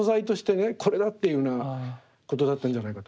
これだっていうふうなことだったんじゃないかと。